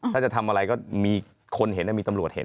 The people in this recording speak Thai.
ถ้าจะทำอะไรก็มีคนเห็นมีตำรวจเห็น